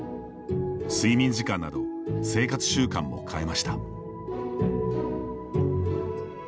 睡眠時間など生活習慣も変えました。